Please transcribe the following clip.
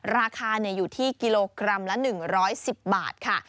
ราคาอยู่ที่กิโลกรัมละ๑๑๐บาทค่ะ